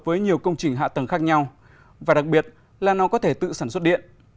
với nhiều công trình hạ tầng khác nhau và đặc biệt là nó có thể tự sản xuất điện